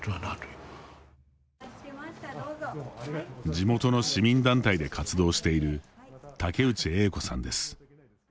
地元の市民団体で活動している竹内英子さんです。